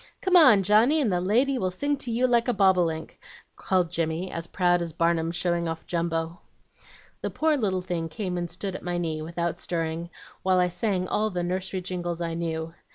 "'Come on. Johnny, and the lady will sing to you like a bobolink,' called Jimmy, as proud as Barnum showing off Jumbo. "The poor little thing came and stood at my knee, without stirring, while I sang all the nursery jingles I knew.